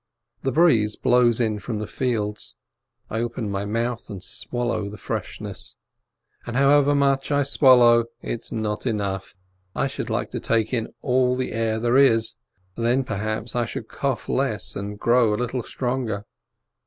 The breeze blows from the fields, I open my mouth and swallow the freshness, and however much I swal low, it's not enough, I should like to take in all the air there is. Then, perhaps, I should cough less, and grow a little stronger.